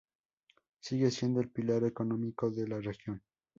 Sigue siendo el pilar económico de la región.